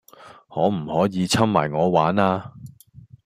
可唔可以摻埋我玩呀?